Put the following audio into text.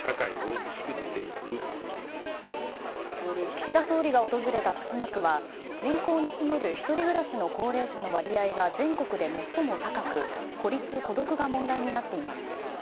岸田総理が訪れた豊島区は人口に占める１人暮らしの高齢者の割合が全国で最も高く孤立・孤独が問題になっています。